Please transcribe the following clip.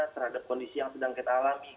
terhadap kondisi yang sedang kita alami